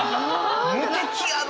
無敵やな！